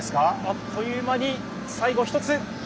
あっという間に最後１つ。